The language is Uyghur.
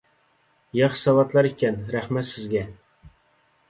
ياخشى ساۋاتلار ئىكەن، رەھمەت سىزگە!